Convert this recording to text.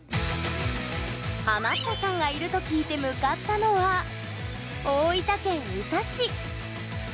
ハマったさんがいると聞いて向かったのは大分県宇佐市。